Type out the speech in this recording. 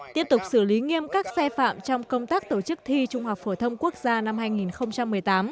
tiếp tục xử lý nghiêm các xe phạm trong công tác tổ chức thi trung học phổ thông quốc gia năm hai nghìn một mươi tám